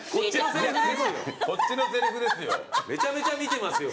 めちゃめちゃ見てますよ